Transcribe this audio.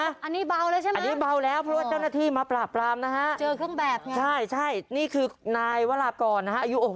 อันนี้เบาแล้วเบาแล้วนะครับ